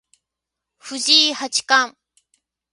藤井八冠